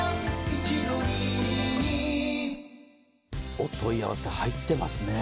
お問い合わせ入ってますね。